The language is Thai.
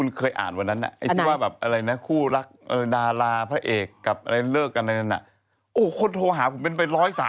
อื้อคือว่าทุกทีก็เตรียมแล้วใช่ไหมนักเตรียม